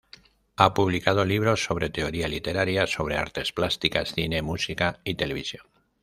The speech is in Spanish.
Ha publicado libros sobre teoría literaria, sobre artes plásticas, cine, música y televisión.